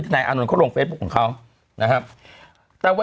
นะครับ